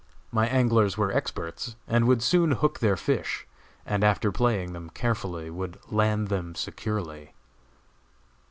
My anglers were experts, and would soon hook their fish, and after playing them carefully would land them securely.